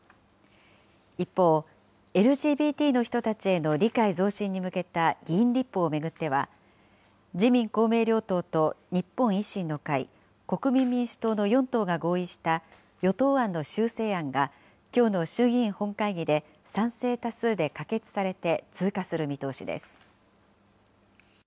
一方、ＬＧＢＴの人たちへの理解増進に向けた議員立法を巡っては、自民、公明両党と日本維新の会、国民民主党の４党が合意した与党案の修正案が、きょうの衆議院本会議で、賛成多数で可決されて通過する見通しです。